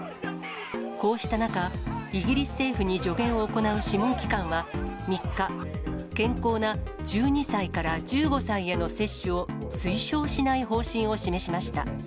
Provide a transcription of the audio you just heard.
こうした中、イギリス政府に助言を行う諮問機関は、３日、健康な１２歳から１５歳への接種を推奨しない方針を示しました。